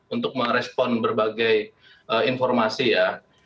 untuk merespon berbagai informasi ya